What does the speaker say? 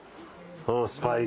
スパイク。